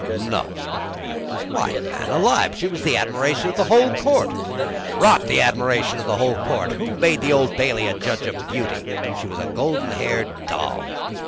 "No." "Why, man alive, she was the admiration of the whole Court!" "Rot the admiration of the whole Court! Who made the Old Bailey a judge of beauty? She was a golden haired doll!"